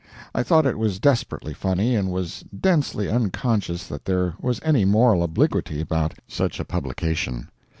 I thought it was desperately funny, and was densely unconscious that there was any moral obliquity about such a publication.